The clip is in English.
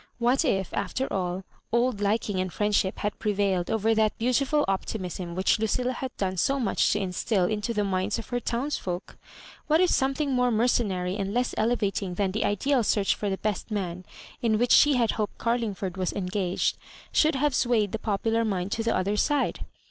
What if, after all, old liking and friendship had prevailed over that beautiful optimism which LudUa had done so much to instil into the minds of her townsfolk 7 What if something more mercenary and less elevating than the ideal search for the best man, in which she had hoped Carlingft>rd was engaged, should have swayed the popular mmd to the other side?